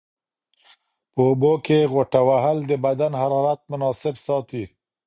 په اوبو کې غوټه وهل د بدن حرارت مناسب ساتي.